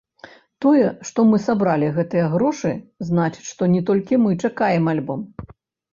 Тое, што мы сабралі гэтыя грошы значыць, што не толькі мы чакаем альбом.